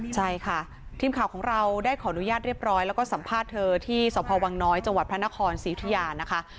ใช่ค่ะทีมข่าวของเราได้ขออนุญาตเรียบร้อยแล้วก็สัมภาษณ์เธอที่สพวังน้อยจังหวัดพระนครศรีอุทยานะคะ